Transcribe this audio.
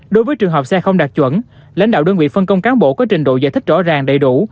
đối với trường hợp xe không đạt chuẩn lãnh đạo đơn vị phân công cán bộ có trình độ giải thích rõ ràng đầy đủ